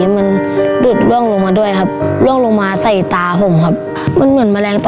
มังกรทำได้หรือไม่ได้ค่ะ